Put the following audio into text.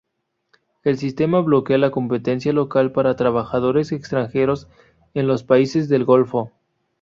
El sistema bloquea la competencia local para trabajadores extranjeros en los países del Golfo.